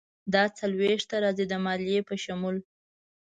دا څلویښت ته راځي، د مالیې په شمول.